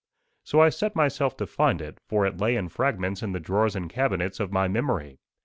So I set myself to find it; for it lay in fragments in the drawers and cabinets of my memory.